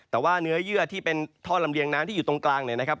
แต่ว่าเนื้อเยื่อที่เป็นท่อลำเลียงน้ำที่อยู่ตรงกลางเนี่ยนะครับ